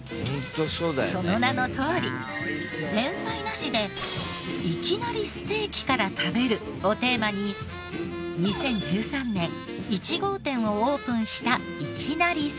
その名のとおり「前菜なしでいきなりステーキから食べる」をテーマに２０１３年１号店をオープンしたいきなり！